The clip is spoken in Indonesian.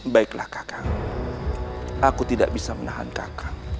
baiklah kakang aku tidak bisa menahan kakang